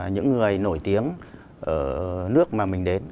những người nổi tiếng ở nước mà mình đến